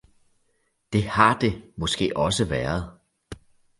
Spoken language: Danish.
Det har det måske også været.